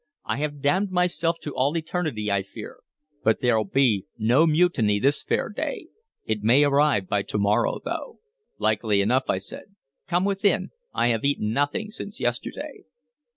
I have damned myself to all eternity, I fear, but there'll be no mutiny this fair day. It may arrive by to morrow, though." "Likely enough," I said. "Come within. I have eaten nothing since yesterday."